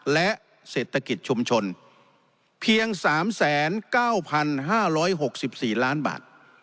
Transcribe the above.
และเศรษฐกิจชุมชนเพียงสามแสนเก้าพันห้าร้อยหกสิบสี่ล้านบาท